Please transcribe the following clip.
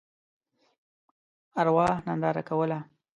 ارواح ننداره کوله.